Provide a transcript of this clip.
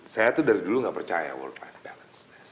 saya tuh dari dulu gak percaya work life balance